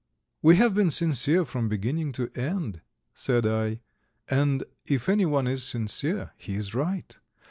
"We have been sincere from beginning to end," said I, "and if anyone is sincere he is right."